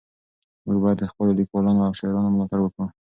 موږ باید د خپلو لیکوالانو او شاعرانو ملاتړ وکړو.